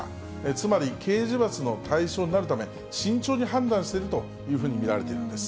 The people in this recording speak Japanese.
つまり刑事罰の対象になるため、慎重に判断しているというふうに見られているんです。